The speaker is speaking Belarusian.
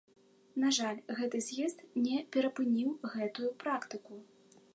На жаль, гэты з'езд не перапыніў гэтую практыку.